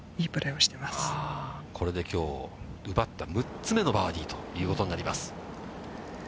これできょう、奪った６つ目のバーディーということになります。